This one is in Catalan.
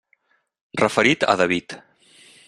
Referit a David.